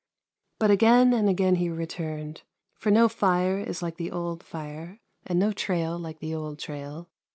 But again and again he returned, for no fire is like the old fire, and no trail like the old trail.